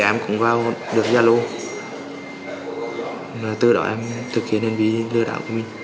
em cũng vào được zalo từ đó em thực hiện hành vi lừa đảo của mình